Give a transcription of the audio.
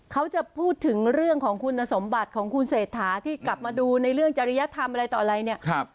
เขาจะพูดถึงเรื่องของคุณสมบัติของคุณเศรษฐาที่กลับมาดูในเรื่องจริยธรรมอะไรต่ออะไรเนี่ย